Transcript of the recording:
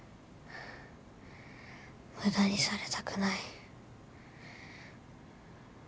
無駄にされたくない。